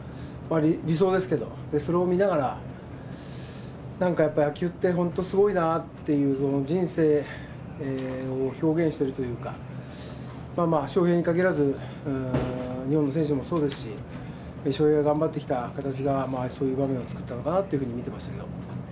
理想ですけど、それを見ながら、なんかやっぱ野球って本当すごいなっていう、人生を表現してるというか、翔平に限らず、日本の選手もそうですし、翔平が頑張ってきた形が、ああいった形を作ったのかなと思って見てたんですけど。